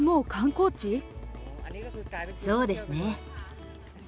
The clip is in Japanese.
そうですね。